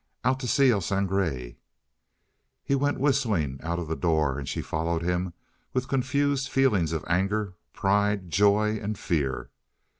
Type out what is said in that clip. "Out to see El Sangre." He went whistling out of the door, and she followed him with confused feelings of anger, pride, joy, and fear.